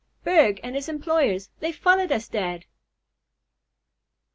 "Berg and his employers. They've followed us, dad."